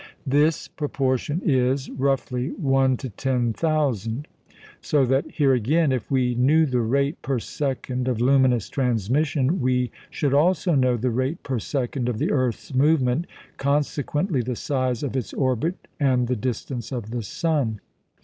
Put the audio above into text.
This proportion is, roughly, one to ten thousand. So that here again, if we knew the rate per second of luminous transmission, we should also know the rate per second of the earth's movement, consequently the size of its orbit and the distance of the sun.